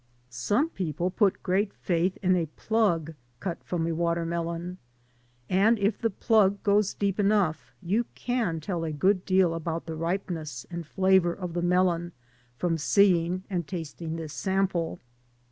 Some people put great faith in a plug cut from a watermelon. And if the plug goes deep enough you can tell a good deal about the ripeness and flavor of the melon from seeing and tasting this sample.